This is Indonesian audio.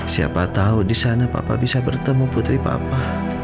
siapa tau disana papa bisa bertemu putri papa